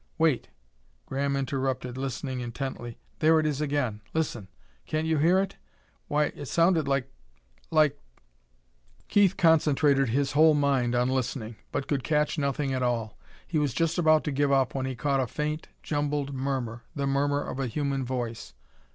"Wait!" Graham interrupted, listening intently. "There it is again! Listen! Can't you hear it? Why, it sounded like like " Keith concentrated his whole mind on listening, but could catch nothing at all. He was just about to give up when he caught a faint, jumbled murmur the murmur of a human voice.